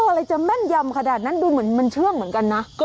อะไรจะแม่นยำขนาดนั้นดูเหมือนมันเชื่องเหมือนกันนะ